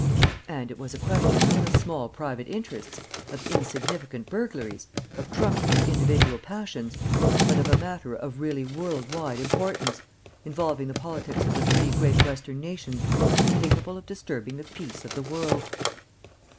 And it was a question not of small private interests, of insignificant burglaries, of trumpery individual passions, but of a matter of really world wide importance, involving the politics of the three great western nations and capable of disturbing the peace of the world.